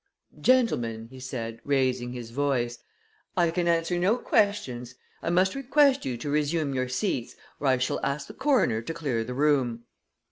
"Gentlemen," he said, raising his voice, "I can answer no questions. I must request you to resume your seats, or I shall ask the coroner to clear the room."